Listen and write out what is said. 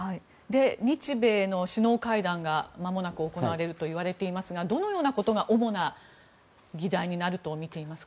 日米の首脳会談がまもなく行われるといわれていますがどのようなことが主な議題になると見ていますか。